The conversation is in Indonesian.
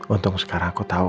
untung sekarang aku tau